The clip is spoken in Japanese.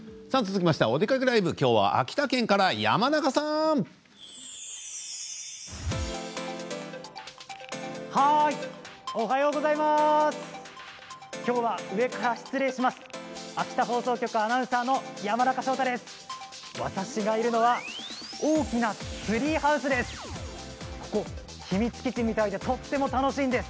きょうは上から失礼します。